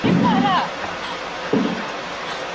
د حجرې کلتور نه دی ختم سوی.